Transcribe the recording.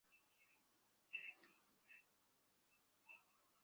তোর চোখের সামনে ব্যবসা পুনরায় শুরু করব।